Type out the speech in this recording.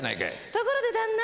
ところで旦那。